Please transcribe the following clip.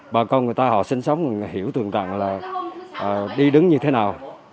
bà con người ta họ sinh sống hiểu thường tặng là đi đứng như thế nào